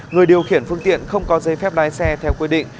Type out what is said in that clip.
người điều khiển phương tiện không có giấy phép lái xe theo quy định